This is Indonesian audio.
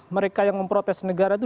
mereka yang memprotes negara itu